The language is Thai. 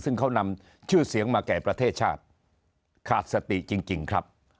ซึ่งเขานำชื่อเสียงมาแก่ประเทศชาติขาดสติจริงครับ